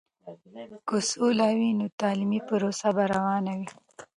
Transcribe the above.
که سوله وي، نو تعلیمي پروسه به روانه وي.